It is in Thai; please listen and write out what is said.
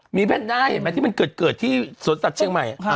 มีแพนด้าเห็นไหมที่มันเกิดที่สวนสัตว์เชียงใหม่